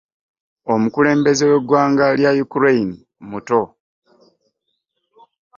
Omukulembe we eggwanga lya Ukraine muto.